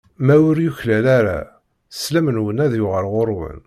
Ma ur yuklal ara, slam-nwen ad d-yuɣal ɣur-wen.